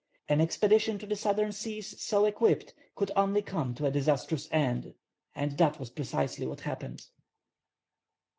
An expedition to the southern seas, so equipped, could only come to a disastrous end; and that was precisely what happened.